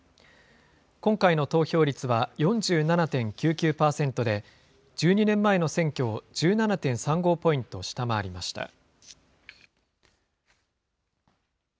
今回の投票率は４７．９９％で、１２年前の選挙を１７．３５ポイント、下回りました。